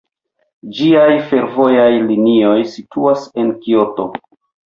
Ĝiaj fervojaj linioj situas en Kioto.